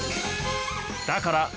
だから